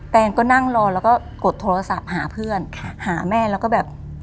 แนนก็นั่งรอแล้วก็กดโทรศัพท์หาเพื่อนหาแม่แล้วก็แบบ